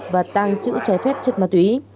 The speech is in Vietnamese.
và tăng chữ trái phép trên ma túy